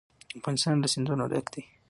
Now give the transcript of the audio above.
افغانستان له سیندونه ډک دی.